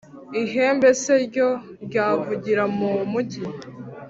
Ihembe se ryo, ryavugira mu mugi,